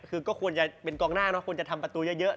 คือก็ควรจะเป็นกองหน้าเนอะควรจะทำประตูเยอะ